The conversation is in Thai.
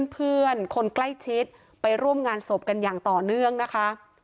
เพื่อนคนใกล้ชิดไปร่วมงานศพกันอย่างต่อเนื่องนะคะ